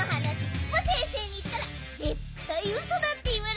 ヒポ先生にいったらぜったいウソだっていわれるね。